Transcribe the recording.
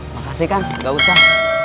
makasih pak tidak usah